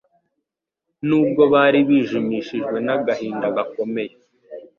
Nubwo bari bijimishijwe n'agahinda gakomeye,